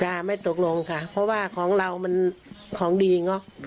ไม่ตกลงค่ะเพราะว่าของเรามันของดีเนอะ